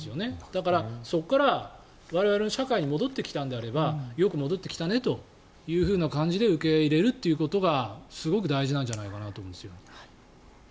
だからそこから我々の社会に戻ってきたのであればよく戻ってきたねという感じで受け入れるということがすごく大事なんじゃないかなと思うんですよ。